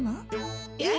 えっ？